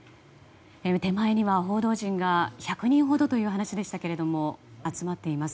手前には報道陣が１００人ほどという話でしたが集まっています。